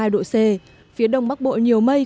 một mươi hai độ c phía đông bắc bộ nhiều mây